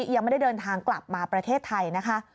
ยังไม่ได้เดินทางกลับมาประเทศไทยนะคะ